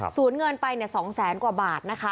สูญเงินไป๒แสนกว่าบาทนะคะ